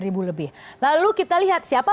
ribu lebih lalu kita lihat siapa